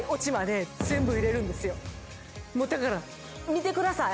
だから見てください！